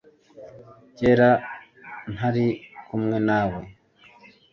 kera ntari kumwe nawe